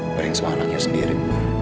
paling sama anaknya sendiri